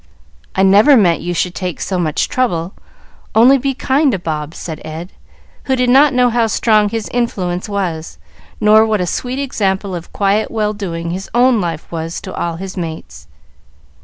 "I never meant you should take so much trouble, only be kind to Bob," said Ed, who did not know how strong his influence was, nor what a sweet example of quiet well doing his own life was to all his mates.